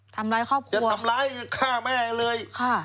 ทำร้ายครอบครัวจะทำร้ายฆ่าแม่เลย